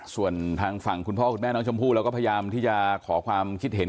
ส่วนทางฝั่งคุณพ่อคุณแม่น้องชมพู่เราก็พยายามที่จะขอความคิดเห็น